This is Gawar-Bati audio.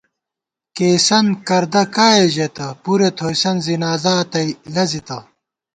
کېئیسَنت کردہ کائے ژېتہ، پُرے تھوئیسَن ځِنازا تئ لَزِتہ